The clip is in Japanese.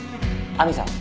「亜美さん